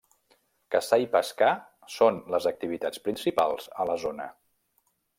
Caçar i pescar són les activitats principals a la zona.